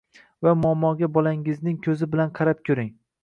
va muammoga bolangizning ko‘zi bilan qarab ko‘ring.